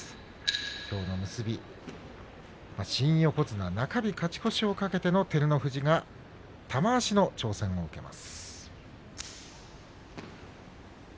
きょうの結び新横綱は中日勝ち越しを懸けて照ノ富士が玉鷲の挑戦を受けます。